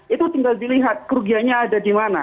itu tinggal dilihat kerugiannya ada di mana